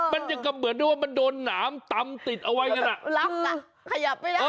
มันยังก็เหมือนโดนน้ำต้ำติดเอาไว้